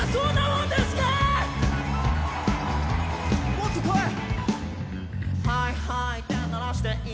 もっとこい！